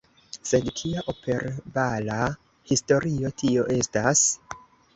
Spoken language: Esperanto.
Sed kia operbala historio tio estas?